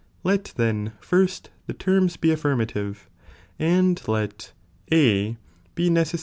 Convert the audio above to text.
Let then, first, the terms be affirmative, and let A be neces^ 1.